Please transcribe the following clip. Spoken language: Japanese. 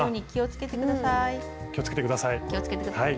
気をつけてください。